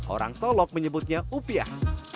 orang solok menyebutnya upiah